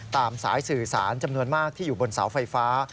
สายสื่อสารจำนวนมากที่อยู่บนเสาไฟฟ้า